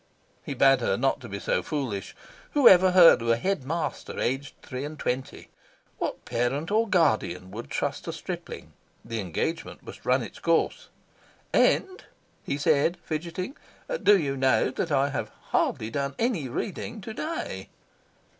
He bade her not be so foolish. Who ever heard of a head master aged three and twenty? What parent or guardian would trust a stripling? The engagement must run its course. "And," he said, fidgeting, "do you know that I have hardly done any reading to day?"